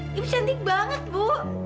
ibu cantik banget bu